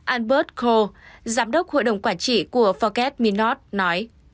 albert kohl giám đốc hội đồng quản trị của forget me not nói